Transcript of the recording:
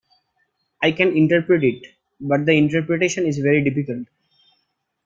I can interpret it, but the interpretation is very difficult.